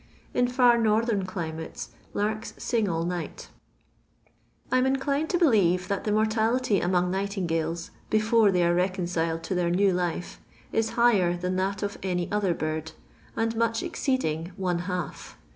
In far northern climates kurks sing all night I am inclined to believe that the mortality among nightingales, before they are lecondled to their new life, is higher than that of any other bird, and much exceeding one half.